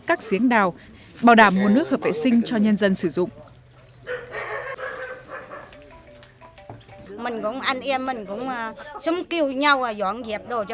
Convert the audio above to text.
các giếng đào bảo đảm nguồn nước hợp vệ sinh cho nhân dân sử dụng